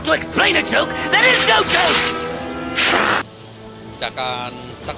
แต่พระเจ้าฉันไม่เข้าใจ